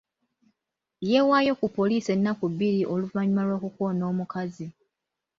Yeewaayo ku poliisi ennaku bbiri oluvannyuma lw'okukoona omukazi.